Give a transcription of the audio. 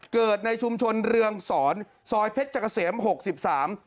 เกิดในชุมชนเรืองศรซอยเพชรกะเสม๖๓